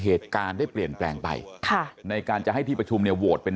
เหตุการณ์ได้เปลี่ยนแปลงไปค่ะในการจะให้ที่ประชุมเนี่ยโหวตเป็น